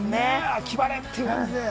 秋晴れって感じで。